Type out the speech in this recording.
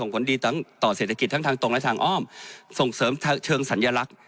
ผลดีต่อเศรษฐกิจทั้งทางตรงและทางอ้อมส่งเสริมเชิงสัญลักษณ์